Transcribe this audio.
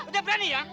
udah berani ya